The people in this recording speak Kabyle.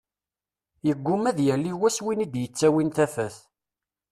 Yegguma ad yali wass win i d-yettawin tafat.